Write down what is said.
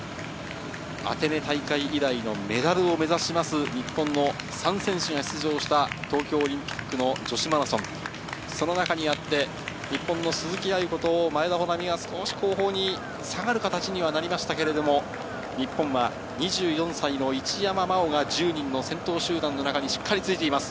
アテネ大会以来のメダルを目指します日本の３選手が出場した東京オリンピックの女子マラソン、その中にあって、日本の鈴木亜由子と前田穂南が少し後方に下がる形になりましたけど、日本は２４歳の一山麻緒が１０人の先頭集団の中にしっかりついています。